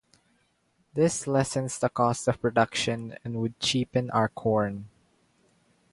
This lessens the cost of production, and would cheapen our corn.